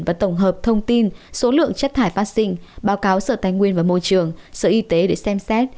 và tổng hợp thông tin số lượng chất thải phát sinh báo cáo sở tài nguyên và môi trường sở y tế để xem xét